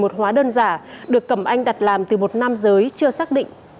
một hóa đơn giả được cầm anh đặt làm từ một nam giới chưa xác định